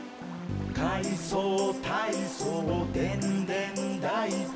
「かいそうたいそうでんでんだいこ」